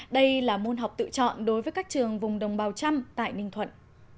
đây là môn học tự chọn đối với các trường vùng đồng bào trăm tại ninh thuận